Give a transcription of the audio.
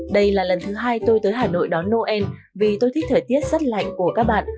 đây là lần thứ hai tôi tới hà nội đón noel vì tôi thích thời tiết rất lạnh của các bạn